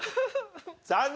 残念。